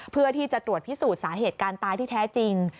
เพื่อที่จะตรวจพิสูจน์สาเหตุการตายที่แท้จริง